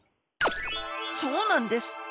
そうなんです！